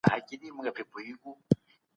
ټولنيز عدالت په پرمختيا کي اړين بلل کيږي.